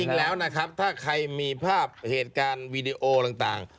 จริงแล้วนะครับถ้าใครมีภาพเหตุการณ์วีดีโอต่าง